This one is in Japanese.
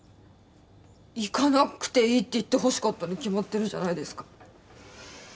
「行かなくていい」って言ってほしかったに決まってるじゃないですか。